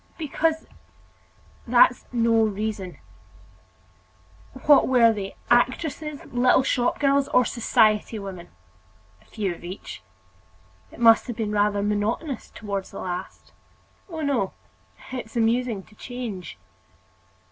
"Because——" "That's no reason!" "What were they actresses, little shop girls, or society women?" "A few of each." "It must have been rather monotonous toward the last." "Oh, no; it's amusing to change."